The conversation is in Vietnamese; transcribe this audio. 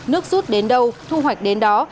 nước rút đến đâu thu hoạch đến đó